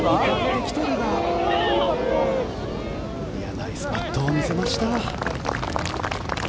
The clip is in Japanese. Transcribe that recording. ナイスパットを見せました。